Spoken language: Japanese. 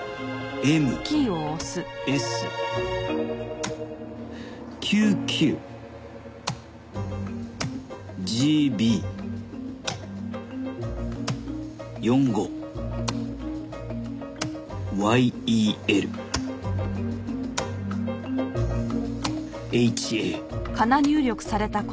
ＭＳ９９ＧＢ４５ＹＥＬＨＡ。